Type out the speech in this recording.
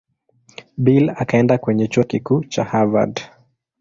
Bill akaenda kwenye Chuo Kikuu cha Harvard.